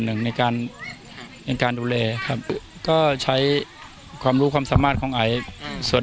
หนึ่งในการในการดูแลครับก็ใช้ความรู้ความสามารถของไออืมส่วน